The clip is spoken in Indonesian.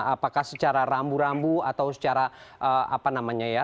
apakah secara rambu rambu atau secara apa namanya ya